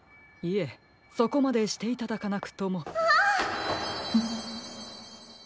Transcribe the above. いえそこまでしていただかなくとも。